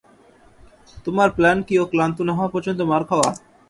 তোমার প্ল্যান কি ও ক্লান্ত না হওয়া পর্যন্ত মার খাওয়া?